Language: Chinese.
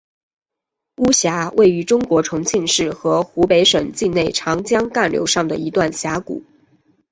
巫峡位于中国重庆市和湖北省境内长江干流上的一段峡谷。